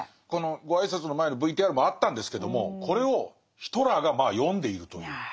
ご挨拶の前のＶＴＲもあったんですけどもこれをヒトラーが読んでいるという。